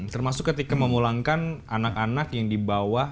termasuk ketika memulangkan anak anak yang dibawa